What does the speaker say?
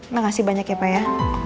makasih banyak ya pak ya